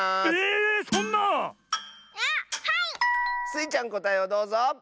スイちゃんこたえをどうぞ！